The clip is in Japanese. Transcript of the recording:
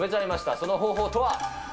その方法とは。